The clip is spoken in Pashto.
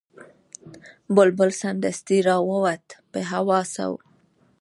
بلبل سمدستي را ووت په هوا سو